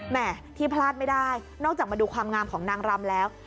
แม่ที่พลาดไม่ได้นอกจากมาดูความงามของนางรำแล้ว